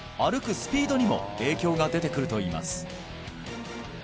スピードにも影響が出てくるといいます